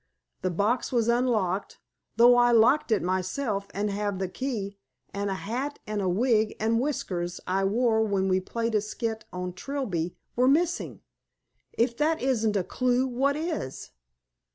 The box was unlocked, though I locked it myself, and have the key; and a hat and wig and whiskers I wore when we played a skit on 'Trilby' were missing. If that isn't a clew, what is?"